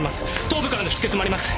頭部からの出血もあります。